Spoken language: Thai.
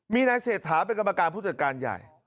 มีนายเศรษฐาเป็นกรรมการผู้จัดการใหญ่